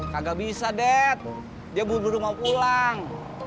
kagak bisa dek dia buru buru mau pulang